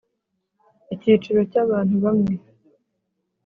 icyiciro cy’ abantu bamwe .